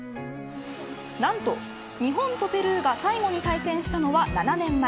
何と、日本とペルーが最後に対戦したのは７年前。